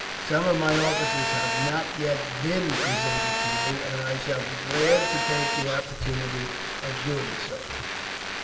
Some of my officers have not yet been presented to you, and I shall be glad to take the opportunity of doing so."